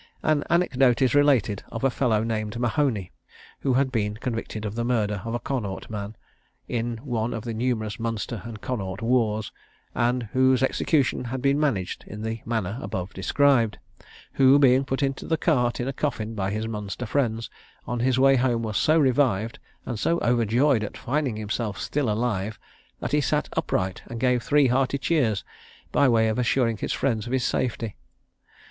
An anecdote is related of a fellow named Mahony, who had been convicted of the murder of a Connaught man, in one of the numerous Munster and Connaught wars, and whose execution had been managed in the manner above described; who, being put into the cart in a coffin by his Munster friends, on his way home was so revived, and so overjoyed at finding himself still alive, that he sat upright and gave three hearty cheers, by way of assuring his friends of his safety.